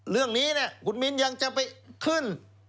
เรื่องนี้เนี่ยคุณมิ้นยังจะไปขึ้น